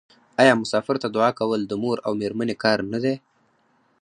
آیا مسافر ته دعا کول د مور او میرمنې کار نه دی؟